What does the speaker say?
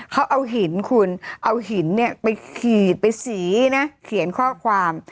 เขาเอาหินคุณเอาหินไปขีดฉี่ขีดข้อความ